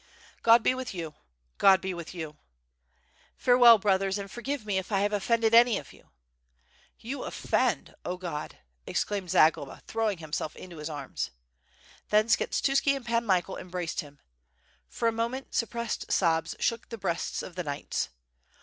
"God be with you! God be with you!'^ "Farewell, brothers, and forgive me if I have offended any of you." "You offend! 0 God!" exclaimed Zagloba, throwing him self into his arms. Then Skshetuski and Pan Michael embraced him. For a moment suppressed sobs shook the breasts of the knights.